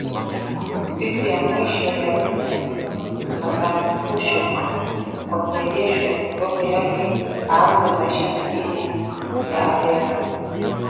Siku ya mwisho mja atafufushwa kwa kurejeshewa roho yake aanze maisha mengine ya ahera